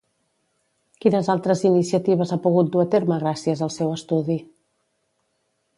Quines altres iniciatives ha pogut dur a terme gràcies al seu estudi?